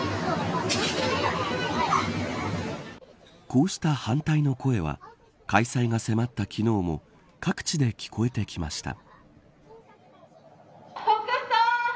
こうした反対の声は開催が迫った昨日も各地で聞こえてきました。